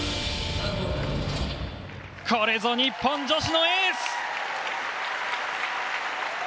これぞ日本女子のエース！